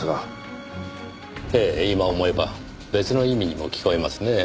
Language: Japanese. ええ今思えば別の意味にも聞こえますねぇ。